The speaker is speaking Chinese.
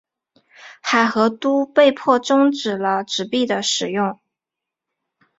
海合都被迫中止了纸币的使用。